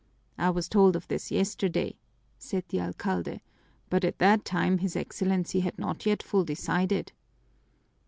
"I was told of this yesterday," said the alcalde, "but at that time his Excellency had not yet fully decided."